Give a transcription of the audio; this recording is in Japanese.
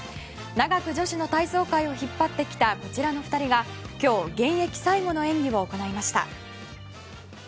長く女子の体操界を引っ張ってきたこちらの２人が今日、現役最後の演技を行いました。